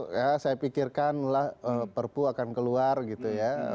dulu saya pikirkan perpu akan keluar gitu ya